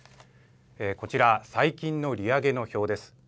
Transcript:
こちら、最近の利上げの表です。